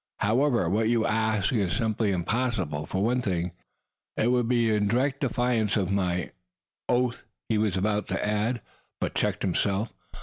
However, what you ask is simply impossible. For one thing, it would be in direct defiance of my " "Oath" he was about to add, but checked him self.